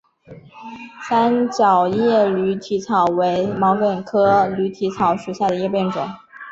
三角叶驴蹄草为毛茛科驴蹄草属下的一个变种。